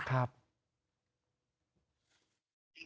ครับ